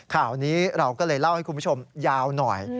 ข่าวนี้เราก็เลยเล่าให้คุณผู้ชมยาวหน่อย